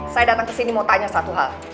saya datang kesini mau tanya satu hal